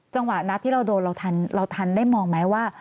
จังหวะนัดที่เราโดนเราทันได้มองไหมว่า